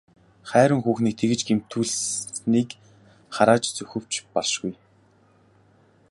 Хайран хүүхнийг тэгж гэмтүүлснийг харааж зүхэвч баршгүй.